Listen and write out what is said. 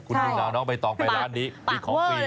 คุณพี่น้องน้องไปต่อไปร้านนี้มีของฟรี